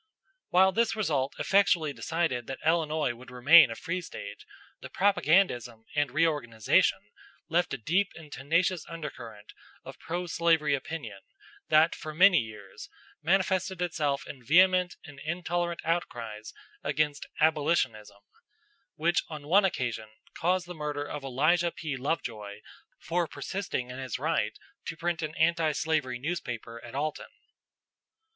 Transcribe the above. While this result effectually decided that Illinois would remain a free State, the propagandism and reorganization left a deep and tenacious undercurrent of pro slavery opinion that for many years manifested itself in vehement and intolerant outcries against "abolitionism," which on one occasion caused the murder of Elijah P. Lovejoy for persisting in his right to print an antislavery newspaper at Alton.